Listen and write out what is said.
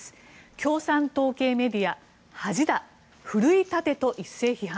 共産党系メディア恥だ、奮い立てと一斉批判。